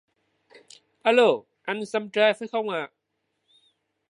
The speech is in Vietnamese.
Alo anh xăm trai phải không ạ